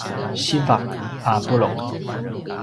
siva a puluq